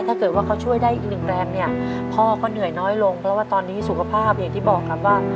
ถ้าเกิดว่าเขาช่วยได้อีกหนึ่งแรงเนี่ยพ่อก็เหนื่อยน้อยลงเพราะว่าตอนนี้สุขภาพอย่างที่บอกครับว่า